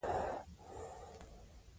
حسد مه کوئ.